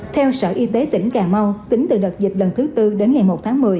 theo sở y tế tỉnh cà mau tính từ đợt dịch lần thứ tư đến ngày một tháng một mươi